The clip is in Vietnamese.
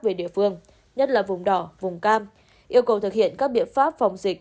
về địa phương nhất là vùng đỏ vùng cam yêu cầu thực hiện các biện pháp phòng dịch